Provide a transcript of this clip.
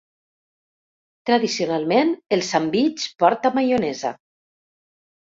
Tradicionalment el sandvitx porta maionesa.